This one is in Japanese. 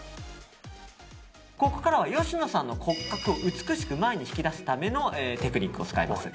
ここからは芳野さんの骨格を美しく前に引き出すためのテクニックを使います。